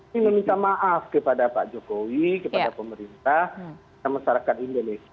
saya minta maaf kepada pak jokowi kepada pemerintah dan masyarakat indonesia